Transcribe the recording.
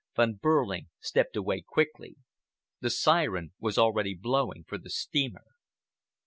Von Behrling stepped away quickly. The siren was already blowing from the steamer.